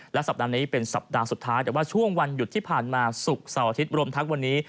สัปดาห์นี้เป็นสัปดาห์สุดท้ายแต่ว่าช่วงวันหยุดที่ผ่านมาศุกร์เสาร์อาทิตย์รวมทั้งวันนี้